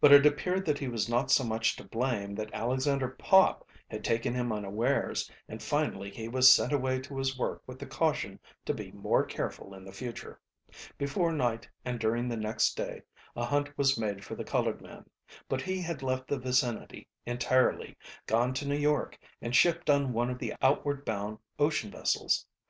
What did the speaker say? But it appeared that he was not so much to blame that Alexander Pop had taken him unawares and finally he was sent away to his work with the caution to be more careful in the future. Before night and during the next day a hunt was made for the colored man, but he had left the vicinity entirely, gone to New York, and shipped on one of the outward bound ocean vessels.